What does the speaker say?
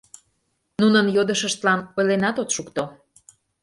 Нунын йодышыштлан ойленат от шукто.